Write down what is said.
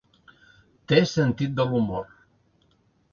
Té sentit de l’humor.